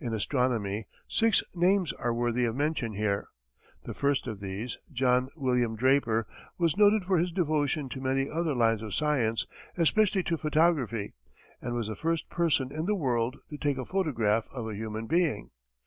In astronomy, six names are worthy of mention here. The first of these, John William Draper, was noted for his devotion to many other lines of science, especially to photography, and was the first person in the world to take a photograph of a human being.